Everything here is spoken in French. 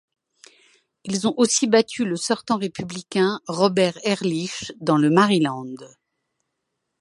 Ils ont aussi battu le sortant républicain Robert Ehrlich dans le Maryland.